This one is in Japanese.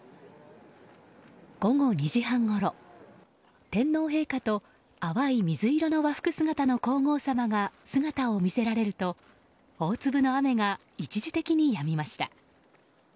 午後２時半ごろ、天皇陛下と淡い水色の和服姿の皇后さまが姿を見せられると大粒の雨が一時的にやみました。